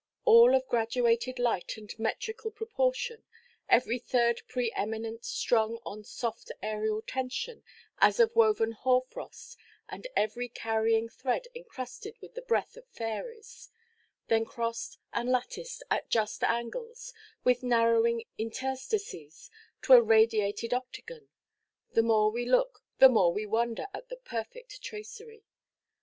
All of graduated light and metrical proportion, every third pre–eminent, strung on soft aerial tension, as of woven hoar–frost, and every carrying thread encrusted with the breath of fairies, then crossed and latticed at just angles, with narrowing interstices, to a radiated octagon—the more we look, the more we wonder at the perfect tracery.